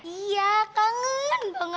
iya kangen banget